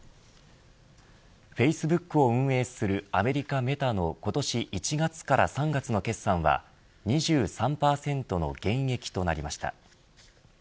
フェイスブックを運営するアメリカ、メタの今年１月から３月の決算は２３％の減益となりました。